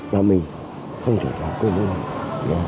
và mình không thể làm cơn đau này